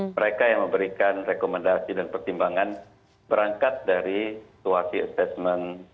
mereka yang memberikan rekomendasi dan pertimbangan berangkat dari situasi assessment